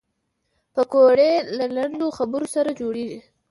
پکورې له لنډو خبرو سره جوړېږي